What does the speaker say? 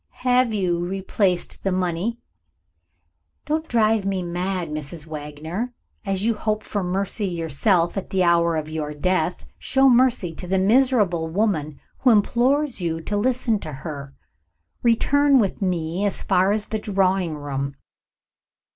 "Have you replaced the money?" "Don't drive me mad, Mrs. Wagner! As you hope for mercy yourself, at the hour of your death, show mercy to the miserable woman who implores you to listen to her! Return with me as far as the drawing room.